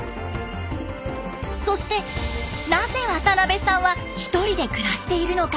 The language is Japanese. そしてなぜ渡邊さんは１人で暮らしているのか。